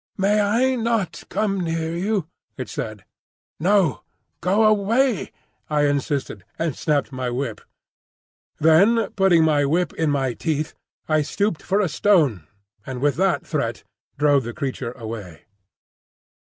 "May I not come near you?" it said. "No; go away," I insisted, and snapped my whip. Then putting my whip in my teeth, I stooped for a stone, and with that threat drove the creature away.